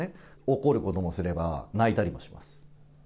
怒ることもすれば、泣いたりもします。